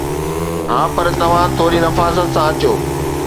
ها، پر توهان ٿوري نفاست سان اچو